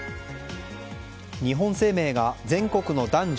日本生命が全国の男女